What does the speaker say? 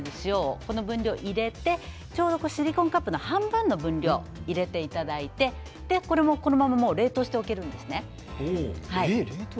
この分量を入れてシリコンカップのちょうど半分の量入れていただいてこれもこのまま冷凍しておけるんです。